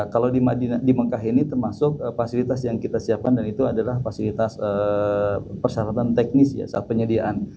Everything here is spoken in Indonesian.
kalau di mekah ini termasuk fasilitas yang kita siapkan dan itu adalah fasilitas persyaratan teknis ya saat penyediaan